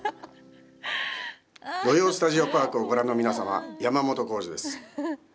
「土曜スタジオパーク」をご覧の皆様、山本耕史です。